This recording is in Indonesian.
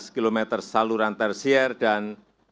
satu ratus sembilan belas km saluran tersier dan